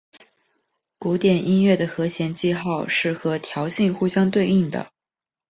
古典音乐的和弦记号是和调性互相对应的。